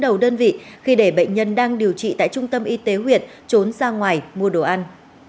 đầu đơn vị khi để bệnh nhân đang điều trị tại trung tâm y tế huyện trốn ra ngoài mua đồ ăn